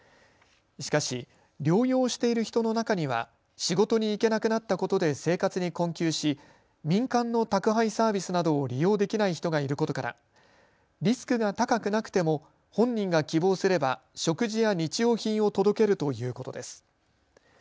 しかし、療養している人の中には仕事に行けなくなったことで生活に困窮し民間の宅配サービスなどを利用できない人がいることからリスクが高くなくても本人が希望すれば食事や日用品を届けるということです。